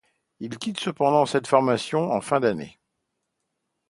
Il quitte cependant cette formation en fin d'année.